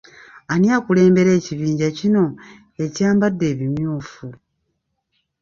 Ani akulembera ekibinja kino ekyambadde ebimyufu?